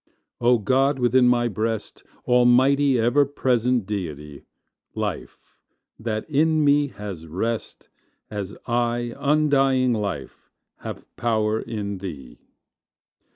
O God within my breast, Almighty, ever present Deity! Life that in me has rest, As I undying Life have power in Thee!